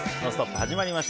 始まりました。